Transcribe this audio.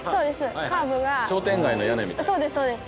そうですそうです。